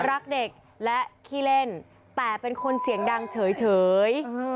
รักเด็กและขี้เล่นแต่เป็นคนเสียงดังเฉย